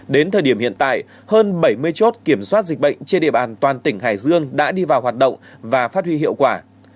đến thời điểm hiện tại hơn bảy mươi chốt kiểm soát dịch bệnh trên địa bàn toàn tỉnh hải dương đã đi vào hoạt động và phát huy hiệu quả